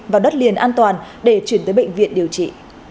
vào đất liền an toàn để chuyển tới bệnh viện điều trị